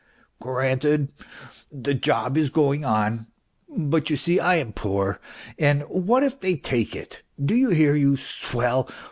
granted the job is going on, but you see I am poor. And what if they take it ? do you hear, you swell